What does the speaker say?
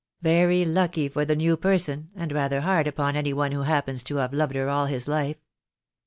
"Very lucky for the new person, and rather hard upon any one who happens to have loved her all his life."